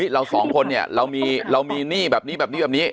เราสองคนเนี่ยเรามีหนี้แบบนี้แบบนี้แบบนี้